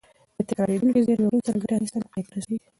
نه تکرارېدونکې زېرمې وروسته له ګټې اخیستنې پای ته رسیږي.